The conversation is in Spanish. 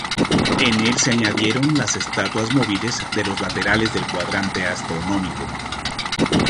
En el se añadieron las estatuas móviles de los laterales del cuadrante astronómico.